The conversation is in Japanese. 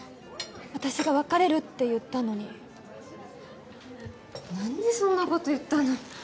私が別れるって言ったのに何でそんなこと言ったの？